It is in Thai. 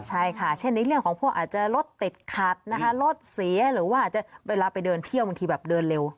ใช่ค่ะเช่นในเรื่องของพวกอาจจะรถติดขัดนะคะรถเสียหรือว่าอาจจะเวลาไปเดินเที่ยวบางทีแบบเดินเร็ว